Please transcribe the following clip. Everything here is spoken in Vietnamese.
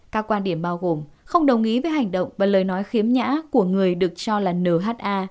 các quan điểm bao gồm không đồng ý với hành động và lời nói khiếm nhã của người được cho là nhạ